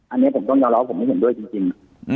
อันนี้ผมต้องยอมรับว่าผมไม่เห็นด้วยจริง